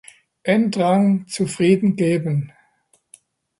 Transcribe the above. Endrang zufriedengeben.